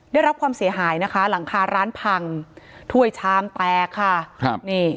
ได้รับความเสียหายนะคะหลังคาร้านพังถ้วยชามแตกค่ะครับนี่